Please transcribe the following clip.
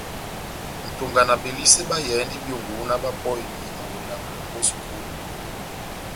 Nʼtonga na Belisé bayɛhɛndini byongo ó náh bapɔheni mawela lɔmbi ó sukulu.